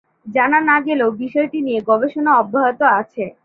জানা না গেলেও বিষয়টি নিয়ে গবেষণা অব্যাহত আছে।